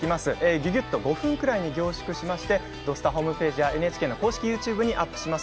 ぎゅぎゅっと５分くらいに凝縮しまして「土スタ」ホームページやＮＨＫ公式ＹｏｕＴｕｂｅにアップします。